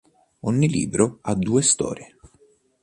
Ogni libro ha due storie.